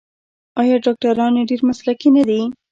آیا ډاکټران یې ډیر مسلکي نه دي؟